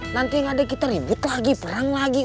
nanti ngadek kita ribut lagi perang lagi